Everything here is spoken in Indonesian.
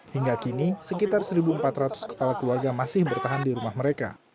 hingga kini sekitar satu empat ratus kepala keluarga masih bertahan di rumah mereka